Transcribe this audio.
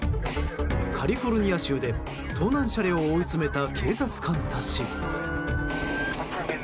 カリフォルニア州で、盗難車両を追い詰めた警察官たち。